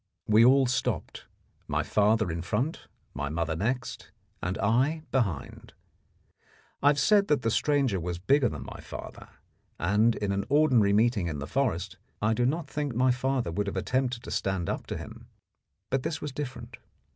We all stopped, my father in front, my mother next, and I behind. I have said that the stranger was bigger than my father, and in an ordinary meeting in the forest I do not think my father would have attempted to stand up to him; but this was different.